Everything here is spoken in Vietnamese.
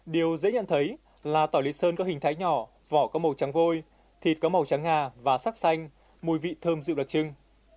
điều dễ nhận thấy là tỏi lý sơn có hình thái nhỏ vỏ có màu trắng vôi thịt có màu trắng nga và sắc xanh mùi vị thơm dịu đặc trưng